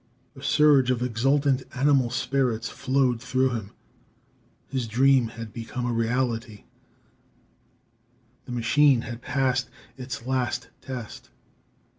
A surge of exultant animal spirits flowed through him. His dream had become a reality; the machine had passed its last test!